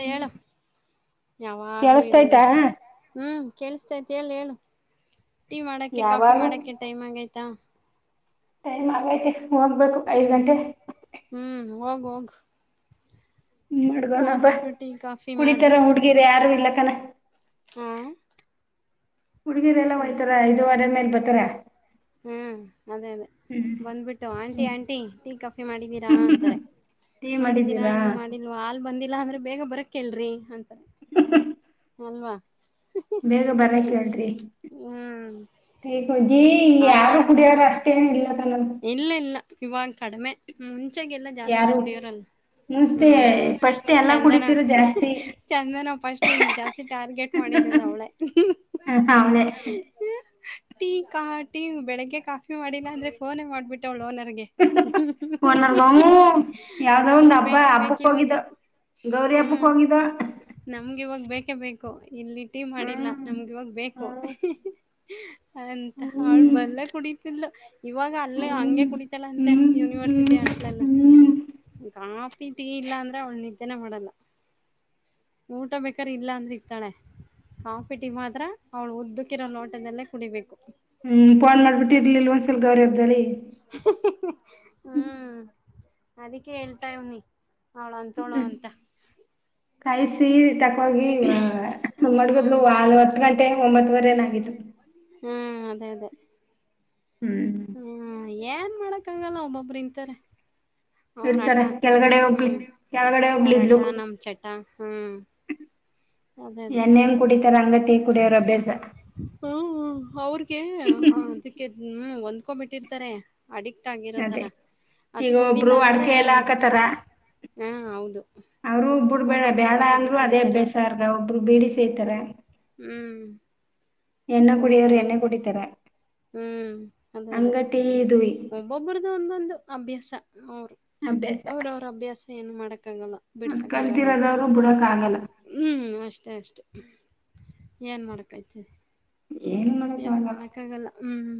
ಹೇಳು ಯಾವಾಗೂ ಇರೋದೇ ಕೇಳಸ್ತಯ್ತಾ ಹ್ಮ್ ಕೇಳಿಸತೈತಿ ಹೇಳಿ ಹೇಳು ಟೀ ಮಾಡಕ್ಕೆ ಕಾಫಿ ಯಾವಾಗ ಮಾಡಕ್ಕೆ ಟೈಮ್ ಆಗೈ್ತಾ ಟೈಮ್ ಆಗೈತಿ ಹೋಗ್ಬೇಕು ಐದ್ ಗಂಟೆ ಹ್ಮ್ ಹೋಗ ಹೋಗ್ ಹ್ಮ ಮಾಡಗೋಣ ಬಾ ಹೋಗ್ಬಿಟ್ಟು ಟೀ ಕಾಫಿ ಮಾಡು ಕುಡಿತಾರ ಹುಡ್ಗಿರ ಯಾರು ಇಲ್ಲಕ್ಕನ ಹ್ಮ್ ಹುಡುಗೀರೆಲ್ಲ ಹೊಯ್ತಾರ ಐದುವರೆ ಮೇಲೆ ಬತಾರ ಹ್ಮ್ ಅದೇ ಅದೇ ಬಂದ್ಬಿಟ್ಟು ಆಂಟಿ ಹ್ಮ್ ಆಂಟಿ ಟೀ ಕಾಫಿ ಮಾಡಿದೀರಾ ಅಂತಾರೆ ಟೀ ಮಾಡಿದೀರಾ ಮಾಡಿದ್ದೀರಾ ಇನ್ನು ಮಾಡಿಲ್ವಾ ಹಾಲ್ ಬಂದಿಲ್ಲಾ ಅಂದ್ರೆ ಬೇಗ ಬರಕ್ ಹೇಳ್ರಿ ಅಂತರ್ ಹ [unintelligible] ಅಲ್ವಾ ಬೇಗ ಬರಕ್ ಹೇಳ್ರಿ ಹ್ಮ್ ಟಿ ಮಜ್ಜೀ ಯಾರು ಆಯಿ ಕುಡಿಯಾಲ್ಲ ಅಷ್ಟು ಏನ್ ಇಲ್ಲದ ನಮ [unintelligible] ಇಲ್ಲ ಇಲ್ಲ ಇವಾಗ ಕಡಿಮೆ ಮುಂಚೆಗೆೆ ಎಲ್ಲಾ ಜಾಸ್ತಿ ಯಾರು ಕುಡಿಯೋರಲ್ಲ ಮುಂಚೆ ಹ್ಮ್ ಫಸ್ಟ್ ಎಲ್ಲಾ ಚಂದನ ಕುಡಿತಿರು ಜಾಸ್ತಿ ಚಂದನ ಫಸ್ಟ್ ನೀನ್ ಜಾಸ್ತಿ ಟಾರ್ಗೆಟ್ ಮಾಡಿರದ್ ಅವಳೆ ಹ ಅವಳೆ ಹ ಟೀ ಕಾ ಟೀ ಬೆಳಿಗ್ಗೆ ಕಾಫಿ ಮಾಡಿಲ್ಲ ಅಂದ್ರೆ ಫೋನೇ ಮಾಡ್ಬಿಟ್ಟವ್ಳು ಓನರ್ಗೆ ಒ ನನ್ಗವು ಯಾವ್ದೋ ಒಂದ್ ನಮಗ್ ಹಬ್ಬ ಬೇಕೇ ಬೇಕು ಹಬ್ಬಕ್ ಇವಾಗ ಹೋಗಿದ್ದ ಗೌರಿ ಹಬ್ಬಕ್ ಹೋಗಿದ್ದೋ ನಮ್ಗೆ ಇವಾಗ ಬೇಕೇ ಬೇಕು ಇಲ್ಲಿ ಟೀ ಮಾಡಿಲ್ಲ ನಮ್ಗೆ ಇವಾಗ ಬೇಕು ಅಂತ ಅವಳ ಬಲ್ಲೇ ಕುಣಿತಿದ್ದಳ್. ಇವಾಗ ಅಲ್ಲೇ ಹಂಗೆ ಕುಣಿತಾಳಂತೆ ಹ್ಮ್ ಹ್ಮ್ ಯೂನಿವರ್ಸಿಟಿ ಹಾಸ್ಟ್ಲಲ್ಲು ಹ್ಮ್ [unintelligible] [unintelligible] ಇಲ್ಲ ಅಂದ್ರೆ ಅವಳ ನಿದ್ದೆನೆ ಮಾಡಲ್ಲ. ಊಟ ಬೇಕಾರ ಇಲ್ಲ ಅಂದ್ರ ಇರ್ತಾಳೆ. ಕಾಫಿ, ಟೀ ಮಾತ್ರ ಅವ್ಳು ಉದ್ದಕ್ಕಿರೋ ಲೋಟದಲ್ಲೇ ಕುಡಿಬೇಕು. ಹ್ಮು [unintelligible] ಹ್ಮು ಅದಕ್ಕೆ ಹೇಳ್ತಾವ್ನಿ. ಹೆಂತಾವ್ಳು ಹ್ಮ್ ಅಂತಾ. ಕಾಯಿಸಿ ಇತ್ತಾಕ್ಕೋಗಿ ಮಡ್ಗದ್ಲು ಹ್ಮ್ [unintelligible] [unintelligible] ಒಂಬತ್ತುವರೆ ಏನ್ ಆಗಿತ್ತು. ಹ್ಮು ಅದೇ ಅದೇ. ಹ್ಮು ಹ್ಮು ಏನ್ ಮಾಡಾಕ್ ಆಗಲ್ಲ ಒಬ್ಬೊಬ್ಬ್ರ ಇಂತಾರೆ. ಅವ್ರ ಇರ್ತಾರೆ ಆಟ್ಟ್ ಕೆಳಗಡೆ ಹ್ಮು ಒಬ್ಳಿ ಕೆಳಗಡೆ ಅವ್ರಟ ಒಬ್ಳಿದ್ಲು ನಮ್ಮ್ ಚಟ ಹ್ಮು. ಎಳನೀರ್ ಕುಡಿತಾರ ಹಂಗ್ ಟೀ ಕುಡಿಯೋರ. ಅಭ್ಯಾಸ ಹ್ಮು ಅವ್ರಗೆ ಅದಕ್ಕೆ ಹ್ಮು ಹೊಂದ್ಕೊಬಿಟ್ಟಿರ್ತಾರೆ. ಅಡಿಕ್ಟ್ ಅದೇ ಆಗಿರೋತರ ಅದು ಈಗ ಒಬ್ರು ಕುಡ್ದಿಲ್ಲ ಅಂದ್ರೆ ಅಡ್ಕೆ ಈ ಎಲ್ಲ ಹ ಹೌದು. ಅವ್ರು ಬಿಡಬ್ಯಾಡ ಒಬ್ಬೊಬ್ರು ಬೇಡ ಕಾಪಿ ಟೀ ಅಂದ್ರು ಅದೇ ಕುಡಿತಾರ ಅಭ್ಯಾಸ [unintelligible] ಒಬ್ಬರು ಬಿಡಿ ಸೇದ್ತಾರ್. ಹ್ಮು ಎಣ್ಣೆ ಕುಡಿಯೋರ್ ಎಣ್ಣೆ ಕುಡಿತಾರ. ಹ್ಮು ಅದೇ ಅದೇ. [unintelligible] ಇದುವಿ. ಒಬ್ಬೊಬ್ಬರದು ಒಂದೊಂದು ಅಭ್ಯಾಸ ಹುರೀ ಅಭ್ಯಾಸ ಅವ್ರ ಅವ್ರ ಅಭ್ಯಾಸ ಏನು ಮಾಡಕ್ಕಾಗಲ್ಲ. ಅದ್ ಬಿಡಸಾಕ್ ಆಗಲ್ಲ ಅದು. ಕಲ್ತಿರೋದವ್ರು ಬಿಡಾಕ್ ಆಗಲ್ಲ ಹ್ಮು ಅಷ್ಟೇ ಅಷ್ಟೆ ಏನ್ ಮಾಡಕಾಯ್ತದೆ. ಏನ್ ಮಾ ಎನ್ ಮಾಡಾಕ್ಕಾಗಲ್ಲ ಹ್ಮು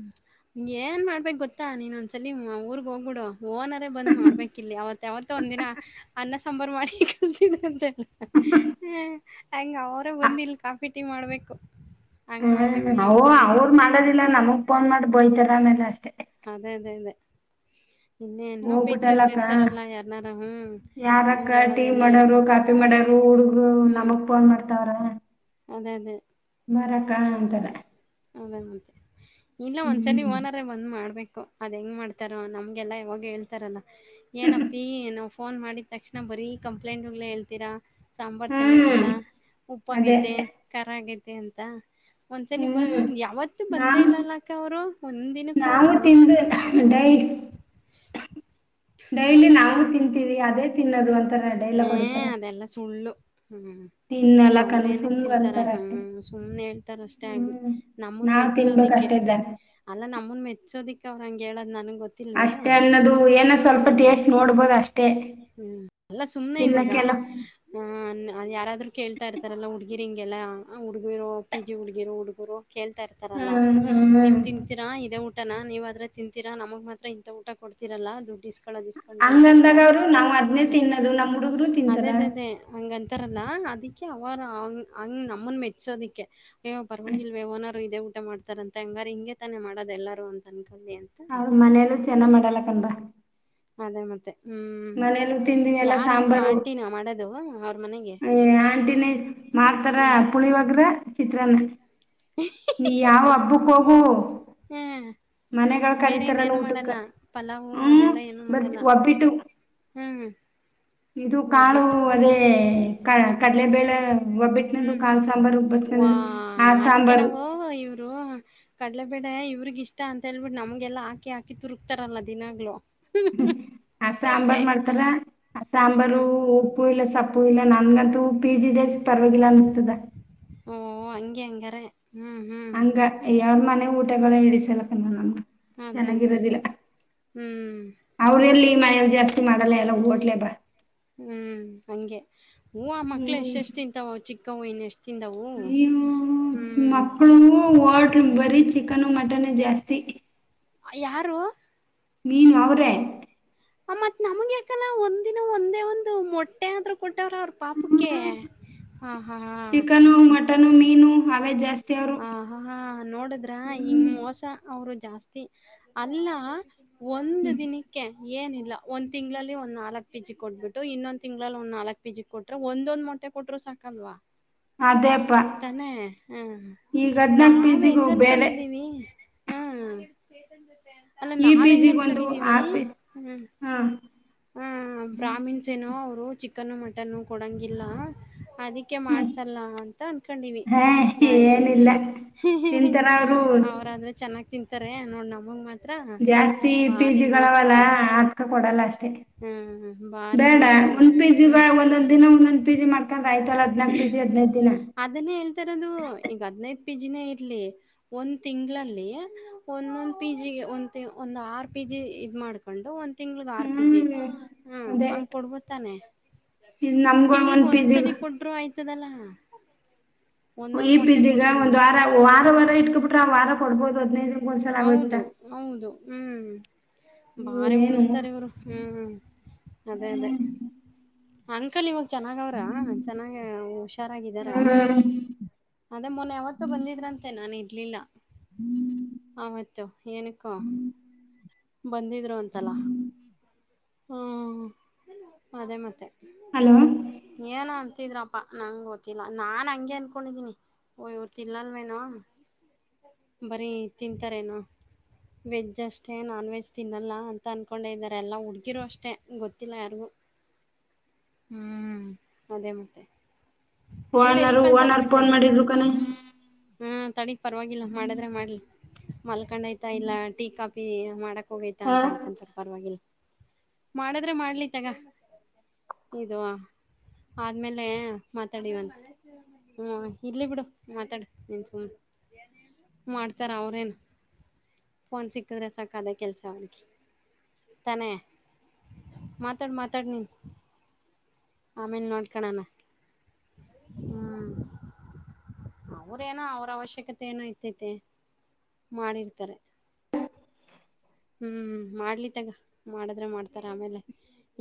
ಏನ್ ಮಾಡ್ಬೇಕು ಗೊತ್ತಾ ನೀನು ಒಂದ್ಸಲ ಊರ್ಗೆ ಹೋಗ್ಬಿಡು. ಓನರ ಬಂದ್ ಮಾಡ್ಬೇಕ ಇಲ್ಲಿ ಅವತ್ತ್ ಅವತ್ತ ಒಂದ ದಿನ ಅನ್ನ, ಸಾಂಬಾರು ಮಾಡಿ ಉನ್ಸಿದನಂತೆ. ಹ ಹಂಗ್ ಅವರೆ ಬಂದ ಇಲ್ಲಿ ಕಾಫಿ, ಟೀ ಮಾಡ್ಬೇಕು. ಹಂಗ್ ಮಾಡ್ಬೇಕ್ ನೀನು ಓ ಅಂತಾ. ಅವ್ರು ಮಾಡೋದಿಲ್ಲ ನಮಗ್ ಫೋನ್ ಮಾಡಿ ಬಯ್ತಾರೆ ಆಮೇಲೆ ಅಷ್ಟೇ. ಅದೇ ಅದೇ ಅದೇ. ಇನ್ನೇ ಇನ್ನೂ ಪಿ ಜಿ ಹೋಗ್ಬಿಟ್ಟಲ್ಲ ಅವ್ರು ಅಕ್ಕಾ ಇರ್ತಾರಲ್ಲ ಯಾರನಾರ ಹ್ಮ್ ಯಾರ ನಿಮ್ಗೆ ಅಕ್ಕಾ ಟೀ ಹೇಳೋದೆಲ್ಲ ಮಾಡೋರು ಹೇಳ್ತಾರೆ ಕಾಫಿ ಮಾಡೋರು ಹುಡುಗ್ರು ಹ್ಮ್ ನಮಗ್ ಫೋನ್ ಮಾಡ್ತಾವ್ರ. ಅದೇ ಅದೇ. ಬರೇ ಅಕ್ಕಾ ಹ್ಮ್ ಅಂತಾರೆ. ಅದೇ ಮತ್ತೆ ಇಲ್ಲ ಒಂದ್ಸರಿ ಹ್ಮ್ ಒನ ಬಂದ್ ಮಾಡ್ಬೇಕು ಅದು ಹೆಂಗ್ ಮಾಡ್ತಾರ ನಮ್ಗೆಲ್ಲಾ ಯಾವಾಗ ಹೇಳ್ತಾರಲ್ಲ ಏನಪ್ಪಿ [unintelligible] ಫೋನ್ ಮಾಡಿದ ತಕ್ಷಣ ಬರೀ ಕಂಪ್ಲೇಂಟ್ಗ್ಳೆ ಹೇಳ್ತೀರಾ ಸಾಂಬಾರ್ ಹ್ಮ್ ಚೆನ್ನಾಗಿಲ್ಲ ಉಪ್ಪ ಅದೇ ಆಗೈತೆ, ಖಾರ ಆಗೈತೆ ಅಂತ ಒಂದ್ಸಲಿ ಹ್ಮ್ ಬಂದ್ ಯಾವತ್ತು ಬಂದೇ ನಾವ್ ಇಲ್ಲಲ ಅಕ್ಕಾ ಅವರು ಒಂದ್ ದಿನಕ್ಕೂ ನಾವು ಊಟ. ತಿಂದು ಡೈ ಡೈಲಿ ನಾವು ತಿಂತೀವಿ ಅದೇ ತಿನ್ನೋದು [unintelligible] ಎ ಅದೆಲ್ಲ ಸುಳ್ಳು ಹ್ಮು. ತಿನ್ನಲ್ಲ ಕಣೆ ಅವ್ರೇನಕ್ ಸುಮ್ಮ್ ತಿಂತಾರ ಅಂತಾರ ಅಷ್ಟೆ ಹ್ಮು ಸುಮ್ನೆ ಹೇಳ್ತಾರ ಅಷ್ಟೇ ಆಗ್ಲಿ ನಮನ್ ಮೆ ತಿನ್ಬೇಕಷ್ಟೆ ಇದ್ದಾ ಅಲ್ಲ ನಮ್ಮನ್ ಮೆಚ್ಚೋದಿಕ್ ಅವ್ರ ಹಂಗೆ ಹೇಳದ್ ನನಗ್ ಗೊ ಅಷ್ಟೇ ಅನ್ನೋದು ಏನೋ ಸ್ವಲ್ಪ ಟೇಸ್ಟ್ ನೋಡ್ಬೋದ ಅಷ್ಟೇ. ಎಲ್ಲಾ ಸುಮ್ನೆ ಇವಾಗ ಹ ಅ ಯಾರಾದ್ರು ಕೇಳ್ತಾ ಇರ್ತಾರಲ್ಲಾ ಹುಡ್ಗಿರಿ ಹಿಂಗೆಲ್ಲ ಹುಡ್ಗಿರು ಪಿ ಜಿ ಹುಡ್ಗಿರು ಹುಡ್ಗುರು. ಕೇಳ್ತಾ ಇರ್ತಾರಲ್ಲಾ ಹ್ಮ್ ನೀವು ಹ್ಮ್ ತಿನ್ ಇದೇ ಊಟನ ನೀವ್ ಆದ್ರೆ ತಿಂತೀರಾ ನಮಗ್ ಮಾತ್ರ ಇಂತ ಊಟ ಕೊಡ್ತಿರಲ್ಲ ದುಡ್ಡ ಹಂಗಂದಾಗ ಅವ್ರು ನಾವ್ ಅದ್ನೇ ತಿನ್ನೋದು ನಮ್ಮ್ ಹುಡುಗ್ರು ಅದೇ ತಿಂತಾರ ಅದ ಅದೇ ಹಂಗಂತಾರಲ್ಲ ಅದಿಕ್ಕೆ ಅವರುಂಗ ಹಂಗ ನಮ್ಮನ್ ಮೆಚ್ಚೋದಿಕ್ಕೆ. ಅಯ್ಯೊ ಅಷ್ಟ್ ಪರವಾಗಿಲ್ವೆ ಓನಾರು ಇದೇ ಊಟ ಮಾಡ್ತಾರಂತೆ ಹಂಗಾರ ಹಿಂಗೆ ತಾನೆ ಮಾಡೋದ ಎಲ್ಲಾರೂ ಅಂತ ಅನ್ಕೊಳ್ಳಿ ಅಂತ. ಅವ್ರ ಮನೇಲ್ಲೂ ಚೆನ್ನ ಮಾಡಲ್ಲ ಕಣ್ ಬ. ಅದೇ ಮತ್ತೆ ಹ್ಮ್. ಏನ್ ತಿಂದಿ. ಯಾರ್ ಇವರು ಆಂಟಿನ ಮಾಡೋದು. ಮನೆಗೆ ಅಯ್ಯಾ ಆಂಟಿನಿ ಮಾಡ್ತಾರ ಹ್ಮ್ ಪುಳಿವಗ್ರ ಚಿತ್ರಾನ್ನ. ನೀ ಯಾವ್ ಹಬ್ಬಕ್ ಹೋಗು ಹ್ಮ್ ಮನೆಗಳ ಬೇರೆ ಕರಿತಾರೆನ್ ಇನ್ನೇನು ಊಟಕ್ಕ ಮಾಡಲ್ಲ ಪಲಾವು ಹ್ಮ್ ಅದೆಲ್ಲ ಏನು ಬರ್ ಮಾಡಲ್ಲ ಒಬ್ಬಿಟ್ಟು. ಹ್ಮ್ ಇದು ಕಾಳು ಒಬ್ಬಿಟ್ಟು ಅದೇ ಕಡ್ಲೆಬೇಳೆ ಒಬ್ಬಿಟ್ಟನಿಂದು ಹ್ಮ್ ಕಾಳು ಸಾಂಬಾರು. ಬಸ್ನದು ವಾ ಆ ಅದಕೆನ್ ಸಾಂಬಾರು ವೋ ಇವ್ ದೊ ಕಡ್ಲೆಬೇಳೆ ಇವ್ರಿಗೆ ಇಷ್ಟ ಅಂತ ಹೇಳ್ಬಿಟ್ಟು ನಮ್ಗೆಲ್ಲಾ ಹಾಕಿ ಹಾಕಿ ತುರುಕ್ತಾರಲ್ಲ ದಿನಾಗ್ಲು. ಹ್ಮ [unintelligible] ಆ ಸಾಂಬಾರ್ ಮಾಡ್ತಾರ ಆ ಸಾಂಬಾರು ಹ್ಮ್ ಉಪ್ಪೂ ಇಲ್ಲ ಸಪ್ಪು ಇಲ್ಲ ನನ್ಗಂತೂ ಪಿ ಜಿ ದೇ ಪರವಾಗಿಲ್ಲ ಅನ್ಸ್ತದ. ಓ ಹಂಗೆ ಹಂಗಾರೆ ಹ್ಮ್. ಹ್ಮ್ ಹಂಗ ಯಾವ ಮನೆ ಊಟಗಳ ಇಡಿಸಲಕ ನಮ್ಗ ಅದೇ ಅದೇ ಅದೇ ಚೆನ್ನಾಗಿರೋದಿಲ್ಲ. ಹ್ಮ್. ಅವ್ರೆಲ್ಲಿ ಈ ಮನೆಯಲ್ಲಿ ಜಾಸ್ತಿ ಮಾಡಲ್ಲ ಎಲ್ಲಾ ಹೋಟ್ಲೆ ಬಾ. ಹ್ಮ್ ಹಂಗೆ ಹು ಆ ಮಕ್ಳು ಹ್ಮ್. ಎಷ್ಟೆಷ್ಟು ತಿಂತಾವ ಚಿಕ್ಕವು ಇನ್ ಎಷ್ಟ್ ಅಯ್ಯೋ ಮಕ್ಕಳುನೂ ಹೋಟ್ಲು ಬರೀ ಚಿಕನು ಮಟನೆ ಜಾಸ್ತಿ. ಅ ಯಾರು? ನೀವ್ ಅವರೇ? ಮತ್ ನಮ್ಗೆ ಯಾಕಲ್ ಒಂದಿನ ಒಂದೇ ಒಂದು ಮೊ ಟ್ಟೆ ಆದ್ರೂ ಕೊಟ್ಟವ್ರ ಅವ್ರ ಪಾಪಕ್ಕೆ ಹ ಹಾ. ಸೆರು ಆ ಹಾ ನೋಡಿದ್ರ ಹಿಂಗ ಮೋಸ ಅವರು ಜಾಸ್ತಿ ಅಲ್ಲಾ ಒಂದ್ ಹ್ಮ್ ದಿನಕ್ಕೆ. ಏನಿಲ್ಲ ಒಂದ್ ತಿಂಗಳಲ್ಲಿ ಒಂದ್ ನಾಲಕ್ ಪಿಜಿ ಕೊಟ್ಬಿಟ್ಟು ಇನ್ನೊಂದ ತಿಂಗಳಲ್ಲಿ ಒಂದ್ ನಾಲಕ್ ಪಿಜಿ ಕೊಟ್ ಒಂದ್ ಒಂದು ಮೊಟ್ಟೆ ಕೊಟ್ರು ಸಾಕಲ್ವಾ. [inaudible] ತಾನೇ ಹ ಈಗ ಹದ್ನಾಕ್ ಪಿ ನಾವ ಜಿಗೂ ಹೆಂಗ ಬೇರೆ ಅನ್ಕಂಡಿದ್ದೀವಿ. ಹ್ಮ್ ಅಲ್ಲ ಈ ನಾವ್ ಪಿ ಜಿಗ್ ಒಂದು ಹೆಂಗನ್ಕಂಡಿದೀವಿ ಆ ಪಿ ಹ್ಮ್. ಹಾ ಬ್ರಾಮಿಣ್ಸ್ ಏನೋ ಅವರು ಚಿಕನ್ನು ಮಟನ್ನು ಕೊಡಂಗಿಲ್ಲ ಅದಕ್ ಕೆ ಹ್ಮ್ ಮಾಡ್ಸಲ್ಲ ಅಂತ ಅನ್ಕಂಡಿವಿ. ಹಾ ಏನಿಲ್ಲ ತಿಂತಾರ [unintelligible] ಅವರು ಅವ್ರಾದ್ರೆ ಚೆನ್ನಾಗ್ ತಿಂತಾರೆ ನೋಡ್ ನಮಗ್ ಮತ ಜಾಸ್ತಿ ಪಿಜಿಗಳಾವಲ್ಲ ಅವರು. ಅದ್ಕ ಕೊಡಲ್ಲ ಅಷ್ಟೇ ಹ್ಮ್ ಹ್ಮ್ ಭಾರಿ ಬೇಡ ಮೋಸ ಅವ್ರು ಒಂದ್ ಪಿ ಹ್ಮ್ ಆಯ್ತಾಲ್ಲ ಹದಿನಾಲ್ಕು ಪಿಜಿ ಹದಿನೈದು ದಿನ ಅದನ್ನೇ ಹೇಳ್ತಇರೋದು ಈಗ ಹದ್ನೈದ್ ಪಿ ಜಿ ನೇ ಇರ್ಲಿ ಒಂದ್ ತತಿಂಗಳಲ್ಲಿ ಒಂದೊಂದ್ ಪಿ ಜಿ ಒಂದ ಒಂದ್ ಆರ್ ಪಿ ಜಿ ಇದ್ ಮಾಡ್ಕ ಕೊಂಡು ಒಂದ್ ತಿಂಗ್ಳಗ್ ಆರ್ ಪಿ ಜಿ ಹ್ಮ್ ಹಾ ಅದೇ ಹಂಗೆ ಕೊಡ್ಬೋತಾನೆ ಇದ್ ಒಂದ್ ನಮ್ಗ ತಿಂಗಳಗ್ ಗ ಒಂದ್ಸಲಿ ಕೊಟ್ರು ಆಯ್ತದಲ್ಲ ಈ ಒಂದೊಂದ್ ಮೊಟ್ಟೆ ಪಿಜಿ ಗ ಒಂದ್ ಕೊಟ್ರುನು ವಾರ ವಾರ ವಾರ ಇಟ್ಕ ಬಿಟ್ರೆ ಆ ವಾರ ಕೊಡ್ಬೋದು ಹದ್ನೈದು ಹೌದು ಹೌದು ಹ್ಮ್ ಬಾರೆ ಇವ್ರೇನು ಉಳಿಸತಾರೆ ಇವ್ರು ಹ್ಮ್ ಅದೇ ಅದೇ ಅಂಕಲ್ ಇವಾಗ ಚೆನ್ನಾಗ ಅವ್ರ ಚೆನ್ನಾಗ ಹುಷಾರಾಗಿದಾರಾ ಅದೇ ಮೊನ್ನೆ ಯಾವತ್ತೂ ಬಂದಿದ್ರಂತೆ ನಾನು ಇರ್ಲಿಲ್ಲ ಹ್ಮ್ ಆವತ್ತು ಏನಕ್ಕೊ ಬಂದಿದ್ರು ಅಂತಲ ಹ್ಮ ಅದೇ ಮತ್ತೆ ಏನೋ ಆನ್ತಿದ್ರಪ್ಪಾ ನಂಗ್ ಗೊತ್ತಿಲ್ಲ ನಾನ್ ಹಂಗೆ ಅನ್ಕೊಂಡಿದೀನಿ ಓ ಇವ್ರು ತಿನ್ನಲ್ವೇನೂ ಬರಿ ತಿಂತಾರೇನೋ ವೆಜ್ ಅಷ್ಟೇ ನಾನ್ ವೆಜ್ ತಿನ್ನಲ್ಲ ಅಂತ ಅನ್ಕೊಂಡೆ ಇದಾರೆ ಎಲ್ಲ ಹುಡುಗಿರು ಅಷ್ಟೆ ಗೊತ್ತಿಲ್ಲ ಯಾರಿಗು [inaudible] ಹ್ಮ್ ಅದೇ ಮತ್ತೆ ಎಲ್ಲಿ ಎಲ್ಲಿ ಓನರ್ ಒನ್ ಅವರು ಫೋನ್ ಮಾಡಿದ್ರು ಕನೆ ಹ್ಮ ತಡಿ ಪರವಾಗಿಲ್ಲ ಮಾಡಿದ್ರೆ ಮಾಡ್ಲಿ ಮಲ್ಕೊಂಡೈತ ಇಲ್ಲ ಟೀ ಕಾಪಿ ಮಾಡ ಹೋಗೈತ ಹಾ ಅಂತ ಅನ್ಕತರ ಪರವಾಗಿಲ್ಲ ಮಾಡದ್ರೆ ಮಾಡ್ಲಿ ತಗ ಇದು ಆದಮೇಲೆ ಮಾತಾಡಿವಂತೆ ಹ್ಮ ಇರ್ಲಿ ಬಿಡು ಮಾತಾಡು ನೀನ್ ಸುಮ್ನೆ ಮಾಡ್ತಾರ ಅವ್ರೇನ್ ಫೋನ್ ಸಿಕ್ಕಿದ್ರೆ ಸಾಕು ಅದೆ ಕೆಲ್ಸ ಅವ್ನಿಗೆ ತಾನೇ ಮಾತಾಡ್ ಮಾತಾಡ್ ನೀನ್ ಆಮೇಲ್ ನೋಡ್ಕಣಣ ಹ್ಮ್ ಅವರೇನೋ ಅವರ ಅವಶ್ಯಕತೆ ಏನೋ ಇತ್ತೈತೆ ಮಾಡಿರ್ತಾರೆ ಹ್ಮ್ ಮಾಡ್ಲಿ ತಗ ಮಾಡಿದ್ರೆ ಮಾಡ್ತಾರ ಆಮೇಲೆ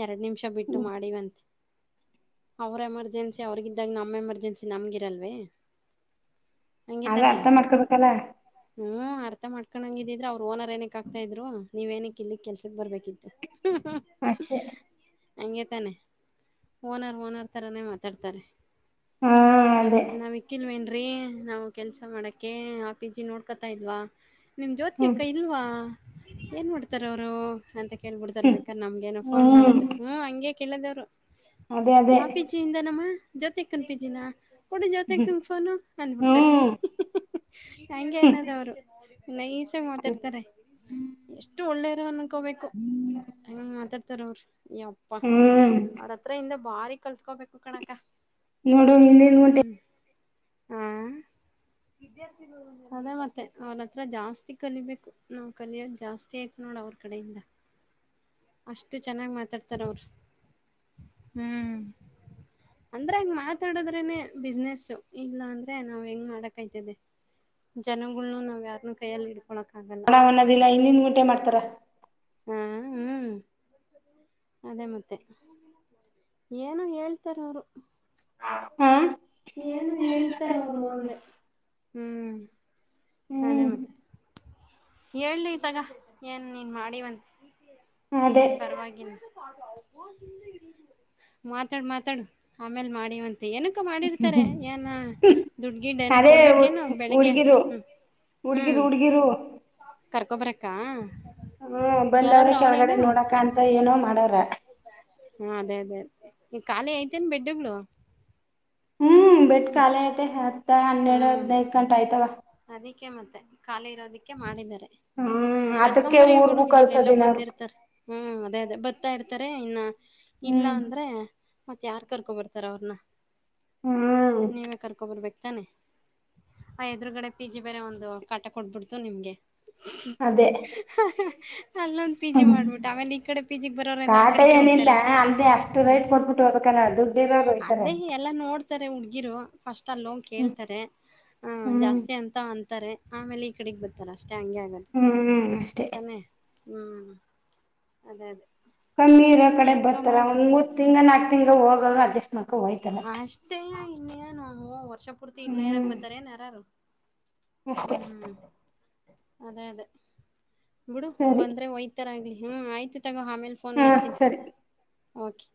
ಎರಡು ನಿಮಿಷ ಬಿಟ್ಟು ಹ್ಮ್ ಮಾಡೀವಂತೆ ಅವ್ರ ಎಮರ್ಜೆನ್ಸಿ ಅವ್ರಗಿದ್ದಾಗ ನಮ್ ಎಮರ್ಜೆನ್ಸಿ ನಮ್ಗಿರಲ್ವೆ ಹಂಗೆ ಅದ ತಾನೆ ಅರ್ಥ ಮಾಡ್ಕೊಬೇಕಲ್ಲ ಹ್ಮ್ ಅರ್ಥ ಮಾಡ್ಕೊಡಂಗ ಇದಿದ್ರರು ಅವ್ರ ಓನರ್ ಏನಕ್ ಆಗ್ತಾ ಇದ್ರು ನೀವ್ ಏನಕ್ಕೆ ಇಲ್ಲಿಕ್ ಕೆಲ್ಸಕ್ ಬರ್ಬೇಕಿತ್ತು [unintelligible] ಅಷ್ಟೇ ಹಂಗೆ ತಾನೆ ಓನರ್ ಓನರ್ ತರಾನೇ ಮಾತಾಡ್ತಾರೆ ಹಾ ಅದೇ [unintelligible] ಹಕ್ಕಿಲ್ವೇನ್ ರೀ ನಾವು ಕೆಲಸ ಮಾಡೋಕ್ಕೆ ಆ ಪಿ ಜಿ ನೋಡ್ಕೊತಾ ಇಲ್ವಾ ನಿಮ್ ಜೋತ್ವಿಕ ಹ್ಮ್ ಇಲ್ವಾ ಏನ್ ಮಾಡ್ತಾರೆ ಅವರು ಅಂತ ಕೇಳ್ಬಿಡ್ತರೆ ಹ್ಮ್ ಬೇಕಾರ ನಮ್ಗೆ ಏನ ಫೋನ್ ಮಾಡಿದ್ರೆ ಹ್ಮ್ ಹಂಗೆ ಕೇಳದವ್ರು ಅದೇ ಅದೇ ಯಾ ಪಿ ಜಿ ಯಿಂದ ನಮ್ಮ ಜೋತಿಕನ್ ಪಿ ಜಿ ನ ಕೊಡಿ ಹ್ಮ್ ಜ್ಯೋತಿಕನ್ ಗೆ ಫೋನು ಅಂದ್ಬಿಡ್ತ ರೆ ಹ್ಮ್ ಹಂಗೆ ಹ್ಮ್ ಅನ್ನದವರು ನೈಸ್ ಆಗಿ ಮಾತಾಡ್ತಾರೆ ಎಷ್ಟು ಒಳ್ಳೇರ ಅನ್ಕೋಬೇಕು ಹಂಗ್ ಮಾತಾಡ್ತಾರ ಅವ್ರರು ಯಪ್ಪಾ ಹ್ಮ್ ಅವ್ರತ್ರ ಇಂದ ಬಾರಿ ಕಲ್ತ್ಕೋಬೇಕು ಕಣಕ್ಕ ನೋಡು ಹಿಂದಿನ್ ಗುಂಟೆ ಹ್ಮ್ [inaudible] ವಿದ್ಯಾರ್ಥಿಗಳು ಅದೇ ಮತ್ತೆ ಅವ್ರತ್ರ ಜಾಸ್ತಿ ಕಲಿಬೇಕು ನಾವ್ ಕಲಿಯೋದ್ ಜಾಸ್ತಿ ಐತೆ ನೋಡ ಅವ್ರ ಕಡೆಯಿಂದ [inaudible] ಅಷ್ಟು ಚೆನ್ನಾಗ್ ಮಾತಾಡ್ತಾರ್ ಅವರು ಹ್ಮ್ ಅಂದ್ರೆ ಹಂಗ ಮಾತಾಡದ್ರನೆ ಬಿಸ್ನೆಸ್ ಇಲ್ಲ ಅಂದ್ರೆ ನಾವ್ ಹೆಂಗ್ ಮಾಡಕ್ಯ್ತದೆ ಜನಗಳ್ನು ನಾವ್ ಯಾರ್ನ್ನು ಕೈಯಲ್ಲಿ ಇಡ್ಕೊಳಕಕ್ಕಗಲ್ಲ ಹನ್ನೋದಿಲ್ಲ ಇನ್ನಿನ್ ಗುಟೆ ಮಾಡ್ತಾರ ಹಾ ಹ್ಮ್ ಅದೇ ಮತ್ತೆ ಏನು ಹೇಳ್ತಾರ್ ಅವರು ಹಾ ಏನು ಹೇಳ್ತಾರ್ ಅವರು ಅಂದೆ ಹ್ಮ್ ಅದೇ ಹ್ಮ್ ಮತ್ತೆ ಹೇಳಿ ತಗ ಏನ್ ನೀನ್ ಮಾಡೀಿವಂತೆ ಅದೇ ಏನ್ ಪರವಾಗಿಲ್ಲ ಮಾತಾಡ್ ಮಾತಾಡ್ ಆಮೇಲ್ ಮಾಡೀಿವಂತೆ ಏನ ಕ್ಕ ಮಾಡಿರ್ತಾರೆ ಏನ ದುಡ್ ಗಿಡ್ ಏನರ ಅದೇ ಕೊಡ್ಬೇಕೇನು ಬೆಳಿಗ್ಗೆ ಹ್ಮ್ ಹುಡುಗಿರು ಹ್ಮ್ ಹುಡುಗಿರು ಕರ್ಕೊಬರಕ್ಕ ಹ್ಮ ಬಂದವ್ರ ಯಾರಾದ್ರೂ ಕೆಳಗಡೆ ಅವ್ರೇನು ನೋಡಕ ಅಂತ ಏನೋ ಮಾಡವರ ಹ ಅದೇ ಅದೇ ಅದೇ ಖಾಲಿ ಐತೆೇನ್ ಬೆಡ್ಗಳು ಹ್ಮ್ ಬೆಡ್ ಖಾಲಿ ಐತೆ ಹತ್ತ ಹನ್ನೆರಡು ಹ್ಮ್ ಹದ್ನೈದು ಗಂಟ ಆಯ್ತವ ಅದಕ್ಕೆ ಮತ್ತೆ ಖಾಲಿ ಇರೋದಿಕ್ಕೆ ಮಾಡಿದ್ದಾರೆ ಹ್ಮ್ ಅದಕ್ಕೆ ಕರ್ಕಂಬರಿ ಬಿಿಡು ಊರ್ಗೂ ಇಲ್ಲೆಲ್ಲಾ ಕಳ್ಸೋದಿಲ್ಲ ಅವ್ರು ಬಂದಿರ್ತಾರ ಹ್ಮ್ ಅದೇ ಅದೇ ಬರ್ತಾ ಇರ್ತಾರೆ ಇನ್ನ ಇಲ್ಲ ಹ್ಮ್ ಅಂದ್ರೆ ಮತ್ತ ಯಾರ್ ಕರ್ಕೊ ಬರ್ತಾರ ಅವ್ರನ್ನ ಹ್ಮ್ ನೀವೇ ಕರ್ಕ ಬರ್ಬೇಕತಾನೆ ಆ ಎದುರುಗಡೆ ಪಿ ಜಿ ಬೇರೆ ಒಂದು ಕಾಟ ಕೊಡ್ಬಿಡ್ತು ನಿಮ್ಗೆ ಅದೇ ಅಲ್ಲ ಪಿ ಜಿ ಹ್ಮ್ ಮಾಡ್ಬಿಟ್ಟ ಆಮೇಲೆ ಈ ಕಡೆ ಪಿ ಜಿ ಬರೋರೆಲ್ಲ ಆ ಕಾಟ ಕಡಿಕ್ಕೆ ಏನಿಲ್ಲ ಹೋಗ್ತಾರೆ ಅಲ್ದೆ ಅಷ್ಟು ಹ್ಮ ರೇಟ್ ಕೊಟ್ಬಿಟ್ಟು ಹೋಗ್ಬೇಕಲ್ಲ ದುಡ್ ಇರೋವ್ರು ಹೊಯ್ತಾರೆ ಎಲ್ಲ ನೋಡ್ತಾರೆ ಹುಡ್ಗಿರು ಫಸ್ಟ್ ಅಲ್ಲೋಗಿ ಹ್ಮ್ ಕೇಳ್ತಾರೆ ಹ ಹ್ಮ್ ಜಾಸ್ತಿ ಅಂತ ಅಂತಾರೆ ಆಮೇಲೆ ಈ ಕಡೆಗ್ ಬರ್ತಾರ ಅಷ್ಟೇ ಹಂಗೆ ಆಗತ್ತೆ ಹ್ಮ್ ಹ್ಮ್ ಅಷ್ಟೇ ಹ್ಮ್ ಅದೇ ಅದೇ ಕಮ್ಮಿ ಇರೋ ಕಡೆ ಬರ್ತಾರ ಒಂದ್ ಮೂ ಹೋಯ್ತಾರ. ಅಷ್ಟಯಾ ಇನ್ನೇನು ಹು ವರ್ಷ ಪೂರ್ತಿ ಪೂರ್ತಿ ಇಲ್ಲೆ ಇರಾಕ್ ಹ್ಮ್ ಬರ್ತರೆನ್ ಯಾರಾದ್ರೂ [inaudible] [inaudible] ಹ್ಮ್ ಹ್ಮ್ ಅದೇ ಅದೇ ಬಿಡು ಸರಿ ಬಂದ್ರೆ ಒಯ್ತು ತರ ಆಗ್ಲಿ ಹ್ಮ್ ಆಯ್ತು ತಗೋ ಆಮೇಲೆ ಫೋನ್ ಹಾ ಮಾಡ್ತೀನಿ ಸರಿ. ಓಕೆ